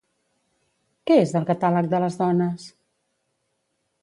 Què és el Catàleg de les dones?